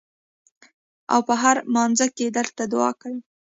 او پۀ هر مانځه کښې درته دعا کوي ـ